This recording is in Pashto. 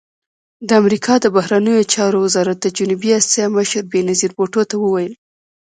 د امریکا د بهرنیو چارو وزارت د جنوبي اسیا مشر بېنظیر بوټو ته وویل